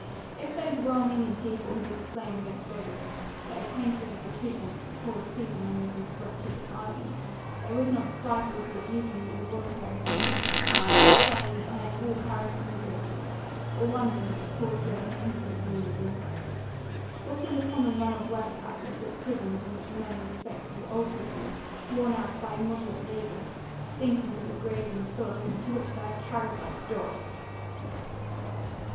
If those well meaning people who exclaim against beggars, were acquainted with the treatment the poor receive in many of these wretched asylums, they would not stifle so easily involuntary sympathy, by saying that they have all parishes to go to, or wonder that the poor dread to enter the gloomy walls. What are the common run of workhouses, but prisons, in which many respectable old people, worn out by immoderate labour, sink into the grave in sorrow, to which they are carried like dogs!"